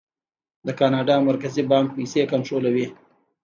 د کاناډا مرکزي بانک پیسې کنټرولوي.